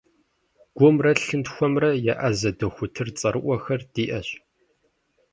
Гумрэ лъынтхуэхэмрэ еӏэзэ дохутыр цӏэрыӏуэхэр диӏэщ.